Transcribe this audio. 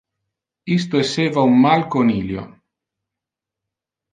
Isto esseva un mal conilio.